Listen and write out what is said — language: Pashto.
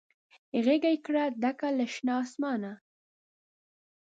غیږ یې کړه ډکه له شنه اسمانه